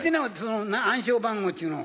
暗証番号っちゅうのを。